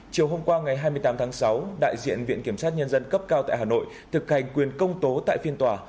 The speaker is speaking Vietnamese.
chiều hôm qua ngày hai mươi tám tháng sáu đại diện viện kiểm sát nhân dân cấp cao tại hà nội thực hành quyền công tố tại phiên tòa